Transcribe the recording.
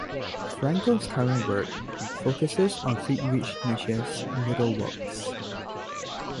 Franco's current work focuses on Friedrich Nietzsche's middle works.